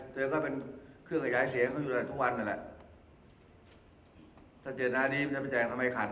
เธอก็เป็นเครื่องขยายเสียงเขาอยู่กันทุกวันนั่นแหละถ้าเจตนานี้มันจะไปแจกทำไมขัด